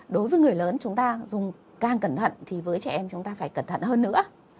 đối với người lớn chúng ta dùng càng cẩn thận thì với trẻ em chúng ta phải cẩn thận hơn nữa